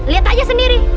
liat aja sendiri